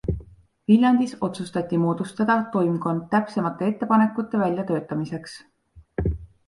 Viljandis otsustati moodustada toimkond täpsemate ettepanekute väljatöötamiseks.